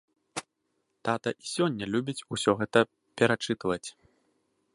Тата і сёння любіць усё гэта перачытваць.